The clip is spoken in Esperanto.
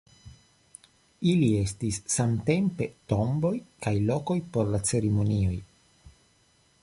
Ili estis samtempe tomboj kaj lokoj por la ceremonioj.